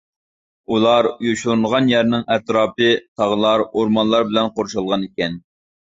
ئۇلار يوشۇرۇنغان يەرنىڭ ئەتراپى تاغلار، ئورمانلار بىلەن قورشالغان ئىكەن.